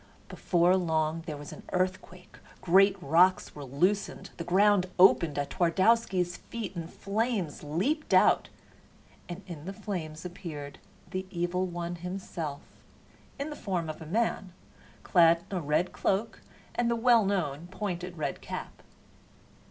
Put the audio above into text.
Before long there was an earthquake; great rocks were loosened, the ground opened at Twardowski's feet and flames leaped out; and in the flames appeared the Evil One himself, in the form of a man, clad in a red cloak with the well known pointed red cap.